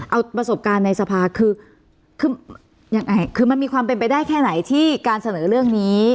เอาประสบการณ์ในสภาคือคือยังไงคือมันมีความเป็นไปได้แค่ไหนที่การเสนอเรื่องนี้